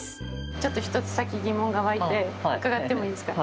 ちょっと一つ、さっき疑問が湧いて伺ってもいいですか。